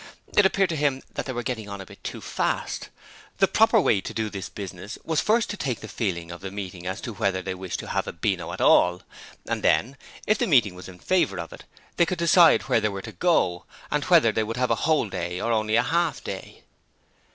It appeared to him that they were getting on a bit too fast. The proper way to do this business was first to take the feeling of the meeting as to whether they wished to have a Beano at all, and then, if the meeting was in favour of it, they could decide where they were to go, and whether they would have a whole day or only half a day.